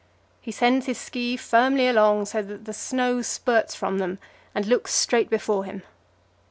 He sends his ski firmly along, so that the snow spurts from them, and looks straight before him.